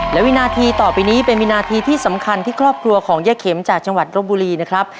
และวินาทีต่อไปนี้เป็นวินาทีที่สำคัญที่ครอบครัวของย่าเข็มจากจังหวัดรบบุรีนะครับ